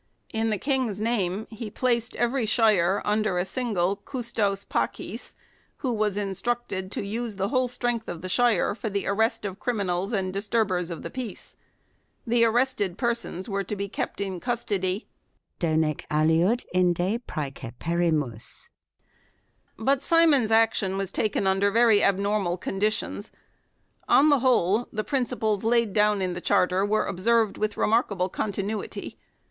In the King's name he placed every shire under a single "custos pads," who was instructed to use the whole strength of the shire for the arrest of criminals and disturbers of the peace ; the arrested persons were to be kept in custody " donee aliud inde praeceperimus ". l But Simon's action was taken under very abnormal conditions. On the whole, the princi ples laid down in the Charter were observed with re markable continuity.